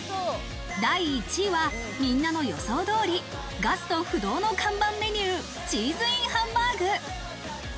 第１位は皆の予想通り、ガスト不動の看板メニュー、チーズＩＮハンバーグ。